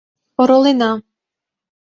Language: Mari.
— Оролена...